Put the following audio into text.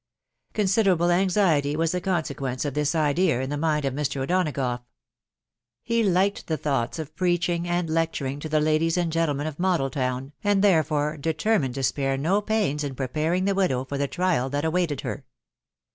Considerable anxiety was the consequence of this idem hi the mind of Mr. O'Donagough. He liked the &&& of preaching and lecturing to the ladies and gentlemen of Model* town, and therefore determined to spare no pains in preparing the widow for the trial that awaited her.